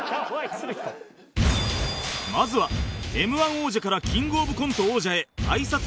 まずは Ｍ−１ 王者からキングオブコント王者へあいさつ